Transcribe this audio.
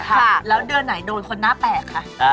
ค่ะแล้วเดือนไหนโดนคนหน้าแปลกคะ